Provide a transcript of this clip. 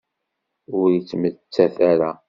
Ur ittemmat ara.